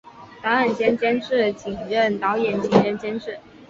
导演兼监制仅任导演仅任监制